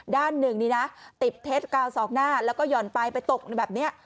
ด้านหนึ่งนี่นะติดเทสกาวศอกหน้าแล้วก็ห่อนไปไปตกแบบนี้